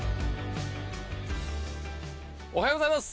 おはようございます！